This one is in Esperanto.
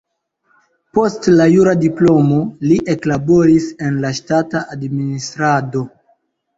Post la jura diplomo li eklaboris en la ŝtata administrado.